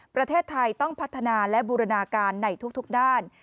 ประเทศไทยต้องพัฒนาและบูรณาการในทุกด้าน